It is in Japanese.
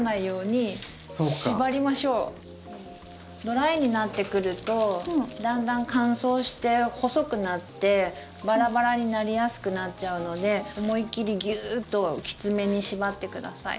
ドライになってくるとだんだん乾燥して細くなってバラバラになりやすくなっちゃうので思いっ切りギューッときつめに縛って下さい。